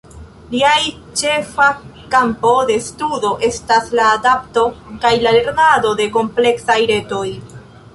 Lia ĉefa kampo de studo estas la adapto kaj la lernado de kompleksaj retoj.